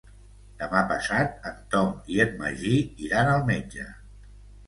Demà passat en Tom i en Magí iran al metge.